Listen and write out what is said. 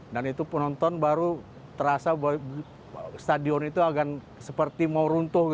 dan itu penonton baru terasa bahwa stadion itu agak seperti mau runtuh